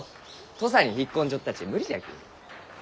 土佐に引っ込んじょったち無理じゃき。